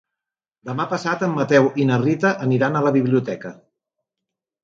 Demà passat en Mateu i na Rita aniran a la biblioteca.